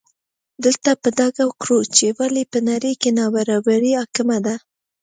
دلته به په ډاګه کړو چې ولې په نړۍ کې نابرابري حاکمه ده.